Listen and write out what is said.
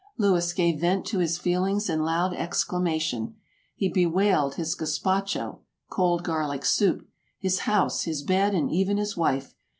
Louis gave vent to his feelings in loud exclamation; he bewailed his gaspacJw (cold garlic soup), his house, his bed, and even his wife.